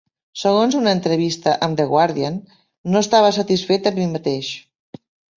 Segons una entrevista amb The Guardian: "No estava satisfet amb mi mateix".